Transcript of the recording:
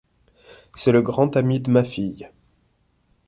C’est le grand ami de ma fille.